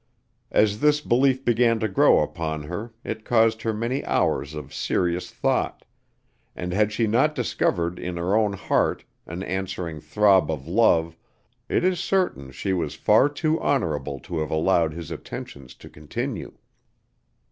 As this belief began to grow upon her it caused her many hours of serious thought, and had she not discovered in her own heart an answering throb of love it is certain she was far too honorable to have allowed his attentions to continue.